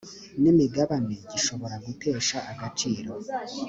n imigabane gishobora gutesha agaciro